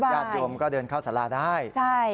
ยานยวมก็เดินเข้าสาราได้ใช่